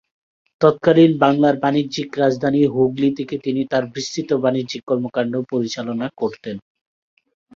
তৎকালীন বাংলার বাণিজ্যিক রাজধানী হুগলি থেকে তিনি তাঁর বিস্তৃত বাণিজ্যিক কর্মকান্ড পরিচালনা করতেন।